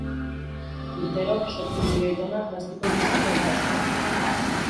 Urtero, zortzi milioi tona plastiko iristen da itsasora.